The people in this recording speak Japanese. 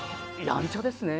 やんちゃですね。